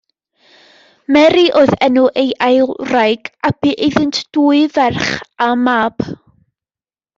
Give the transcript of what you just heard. Mary oedd enw ei ail wraig a bu iddynt dwy ferch a mab.